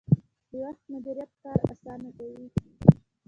د وخت مدیریت کار اسانه کوي